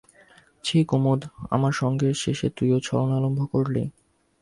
ছি কুমুদ, আমার সঙ্গেও শেষে তুই ছলনা আরম্ভ করলি!